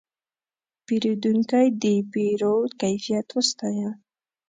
پیرودونکی د پیرود کیفیت وستایه.